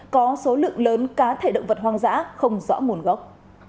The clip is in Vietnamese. có thể động vật hoang dã không rõ nguồn gốc